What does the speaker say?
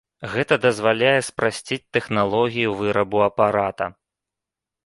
Гэта дазваляе спрасціць тэхналогію вырабу апарата.